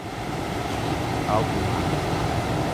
Alto e magro